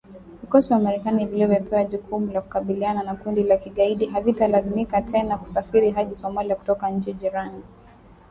Vikosi vya Marekani vilivyopewa jukumu la kukabiliana na kundi la kigaidi havitalazimika tena kusafiri hadi Somalia kutoka nchi jirani .